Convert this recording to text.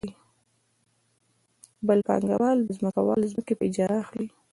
بل پانګوال د ځمکوال ځمکې په اجاره اخلي